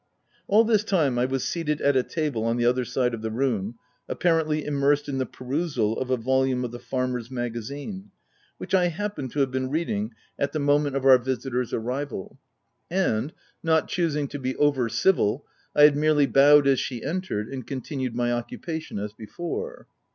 All this time, I was seated at a table on the other side of the room, apparently immersed in the perusal of a volume of the Farmer's Maga zine, which I happened to have been reading at the moment of our visitor's arrival ; and, not choosing to be over civil, I had merely bowed as she entered, and continued my occupation as before.